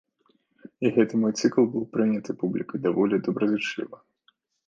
І гэты мой цыкл быў прыняты публікай даволі добразычліва.